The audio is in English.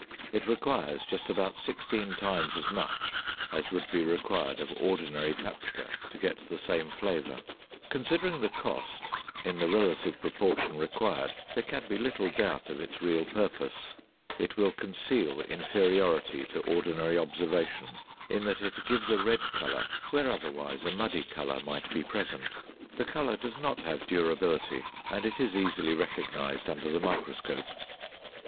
It requires just about sixteen times as much as would be required of ordinary paprika to get the same flavor. Considering the cost, in the relative proportion required, there can be little doubt of its real purpose. It will conceal inferiority to ordinary observation in that it gives a red color where otherwise a muddy color might be present. The color does not have durability, and it is easily recognized under the microscope.